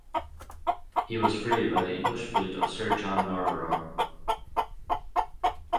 He was freed by the English fleet of Sir John Narborough.